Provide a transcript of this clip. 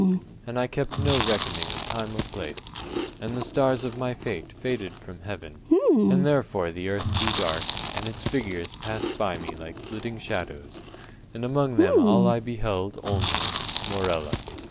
And I kept no reckoning of time or place, and the stars of my fate faded from heaven, and therefore the earth grew dark, and its figures passed by me like flitting shadows, and among them all I beheld only—Morella.